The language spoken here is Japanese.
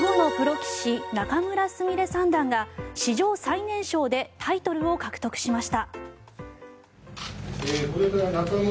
棋士仲邑菫三段が史上最年少でタイトルを獲得しました。